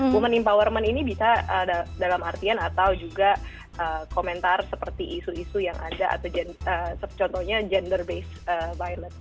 women empowerment ini bisa dalam artian atau juga komentar seperti isu isu yang ada atau contohnya gender based violet